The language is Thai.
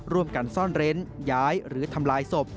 ร่วมกันซ่อนเร้นย้ายหรือทำลายศพ